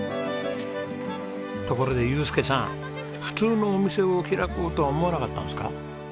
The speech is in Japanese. ところで祐介さん普通のお店を開こうとは思わなかったんですか？